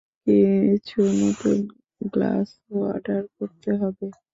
কিছু নতুন গ্লাসও অর্ডার করতে হবে।